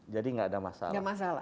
jadi enggak ada masalah